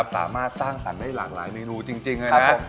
สามารถสร้างสรรค์ได้หลากหลายเมนูจริงเลยนะ